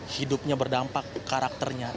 hidupnya berdampak karakternya